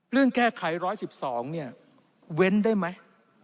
เรื่องแก้ไข๑๑๒เนี่ยเว้นได้ไหม